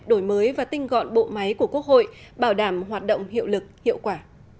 đổi mới và tinh gọn bộ máy của quốc hội bảo đảm hoạt động hiệu lực hiệu quả